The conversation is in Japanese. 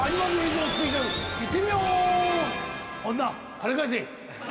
金返せ。